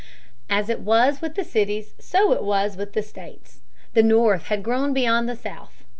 As it was with the cities so it was with the states the North had grown beyond the South.